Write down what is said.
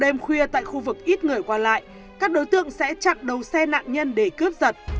đêm khuya tại khu vực ít người qua lại các đối tượng sẽ chặn đầu xe nạn nhân để cướp giật